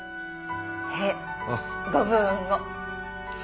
へえご武運を。